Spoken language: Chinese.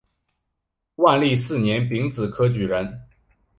万历四年丙子科举人。